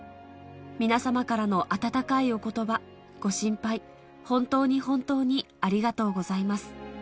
皆様からの温かいおことば、ご心配、本当に本当にありがとうございます。